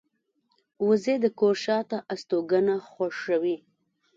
وزې د کور شاته استوګنه خوښوي